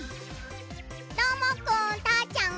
どーもくんたーちゃん！